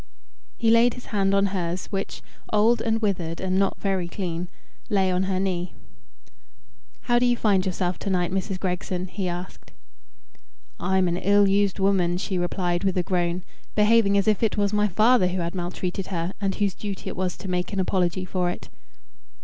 He laid his hand on hers, which, old and withered and not very clean, lay on her knee. "How do you find yourself to night, Mrs. Gregson?" he asked. "I'm an ill used woman," she replied with a groan, behaving as if it was my father who had maltreated her, and whose duty it was to make an apology for it.